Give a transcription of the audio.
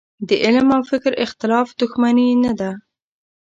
د علم او فکر اختلاف دوښمني نه ده.